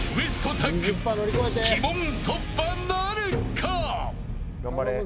タッグ鬼門突破なるか。